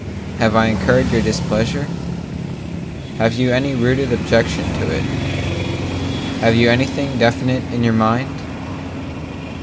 Have I incurred your displeasure? Have you any rooted objection to it? Have you anything definite in your mind?